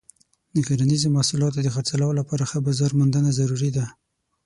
د کرنیزو محصولاتو د خرڅلاو لپاره ښه بازار موندنه ضروري ده.